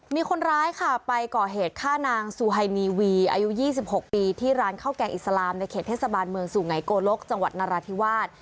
มีคนร้ายค่ะไปก่อเหตุฆ่านางซูไฮนีวีอายุ๒๖ปีที่ร้านข้าวแกงอิสลามในเขตเทศบาลเมืองสู่ไงโกลกจังหวัดนราธิวาส